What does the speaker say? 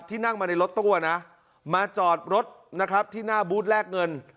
ที่นั่งมาในรถตู้มาจอดรถที่หน้าบูธแลกเงิน